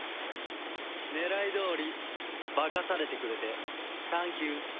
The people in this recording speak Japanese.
狙いどおり化かされてくれてサンキュー。